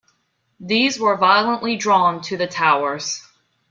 These were violently drawn to the towers.